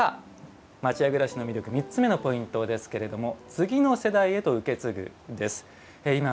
さあ、町家暮らしの魅力３つ目のポイントですけど次の世代へと受け継ぐです。